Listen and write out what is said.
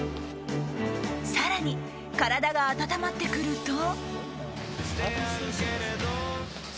更に、体が温まってくると。